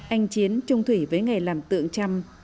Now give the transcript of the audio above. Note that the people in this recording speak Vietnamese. anh chiến trung thủy với nghề làm tượng trăm